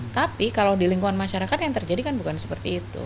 tapi kalau di lingkungan masyarakat yang terjadi kan bukan seperti itu